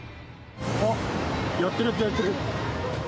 あっやってるやってる。